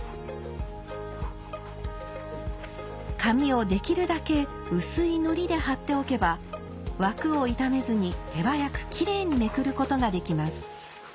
紙をできるだけ薄い糊で貼っておけば枠を傷めずに手早くきれいにめくることができます。